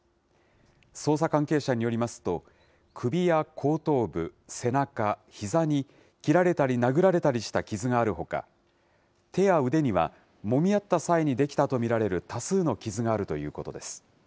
捜査関係者によりますと、首や後頭部、背中、ひざに、切られたり殴られたりした傷があるほか、手や腕にはもみ合った際に出来たと見られる、多数の傷があるということです。